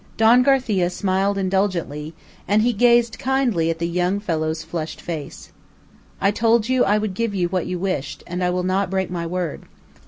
Don Garcia smiled indulgently, and he gazed kindly at the young fellow's flushed face. "I told you I would give you what you wished, and I will not break my word.